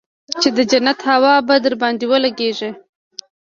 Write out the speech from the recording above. چې د جنت هوا به درباندې ولګېږي.